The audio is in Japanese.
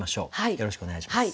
よろしくお願いします。